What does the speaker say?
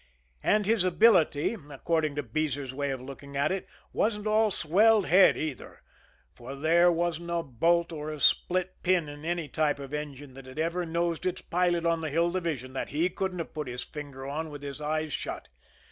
And his ability, according to Beezer's way of looking at it, wasn't all swelled head either; for there wasn't a bolt or a split pin in any type of engine that had ever nosed its pilot on the Hill Division that he couldn't have put his finger on with his eyes shut.